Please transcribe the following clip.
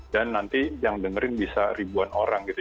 dan nanti yang dengerin bisa ribuan orang gitu